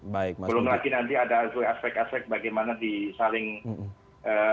belum lagi nanti ada aspek aspek bagaimana disaling menghalangi begitu ya